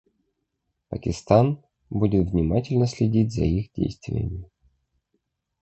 Пакистан будет внимательно следить за их действиями.